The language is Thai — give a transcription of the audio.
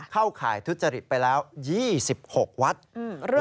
เข้าข่ายทุจริตไปแล้ว๒๖วัตต์